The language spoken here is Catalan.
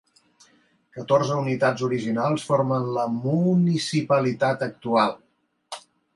Catorze unitats originals formen la municipalitat actual.